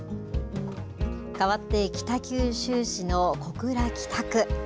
かわって北九州市の小倉北区。